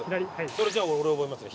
それじゃあ俺覚えますね。